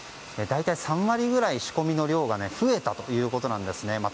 大体３割くらい仕込みの量が増えたということなんですね。